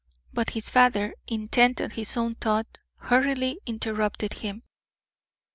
But his father, intent on his own thought, hurriedly interrupted him.